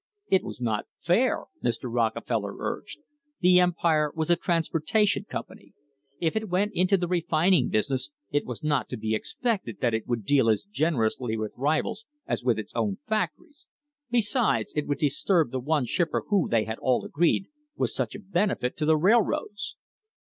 It was not fair! Mr. Rockefeller urged. The Empire was a transportation company. If it went into the refining business it was not to be expected that it would deal as generously with rivals as with its own factories; besides, it would disturb the one shipper who, they all had agreed, was such a benefit to the railroads.